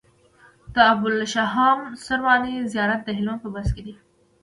د ابوالهاشم سرواني زيارت د هلمند په بست کی دی